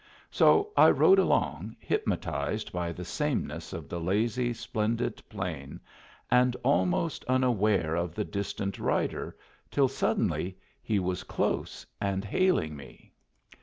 So I rode along, hypnotized by the sameness of the lazy, splendid plain, and almost unaware of the distant rider, till, suddenly, he was close and hailing me.